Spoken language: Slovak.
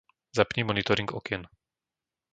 Zapni monitoring okien.